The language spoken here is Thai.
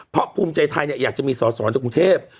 เพราะภูมิใจไทยอยากจะมีสอสอจากกรุงเทพ